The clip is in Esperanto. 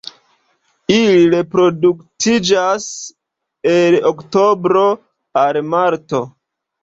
Ili reproduktiĝas el oktobro al marto.